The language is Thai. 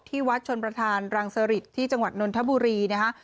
วัดชนประธานรังสริตที่จังหวัดนนทบุรีนะคะ